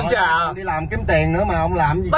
ông đi làm kiếm tiền nữa mà ông làm gì kìa